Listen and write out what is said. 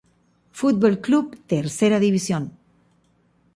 Fútbol Club Tercera División.